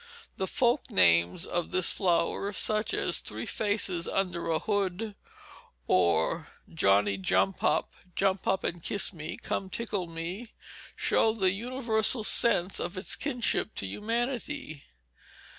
The folk names of this flower, such as "three faces under a hood," "johnny jump up," "jump up and kiss me," "come tickle me," show the universal sense of its kinship to humanity.